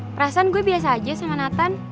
perasaan gue biasa aja sama nathan